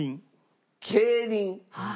競輪。